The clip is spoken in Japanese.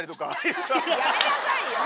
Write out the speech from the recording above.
やめなさいよ！